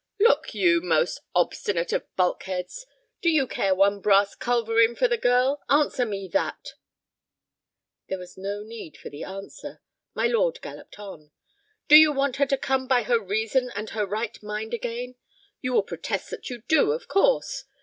"Look you, most obstinate of bulkheads, do you care one brass culverin for the girl? Answer me that." There was no need for the answer; my lord galloped on. "Do you want her to come by her reason and her right mind again? You will protest that you do. Of course.